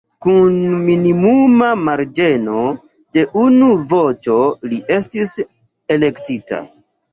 Kun minimuma marĝeno de unu voĉo li estis elektita.